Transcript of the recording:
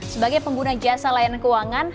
sebagai pengguna jasa layanan keuangan